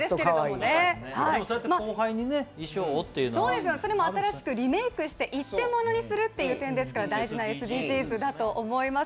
そうやって後輩に衣装をというのはね。新しいリメークして一点物にするという点ですから大事なＳＤＧｓだと思います。